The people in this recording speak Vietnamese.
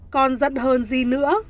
con giận hơn gì nữa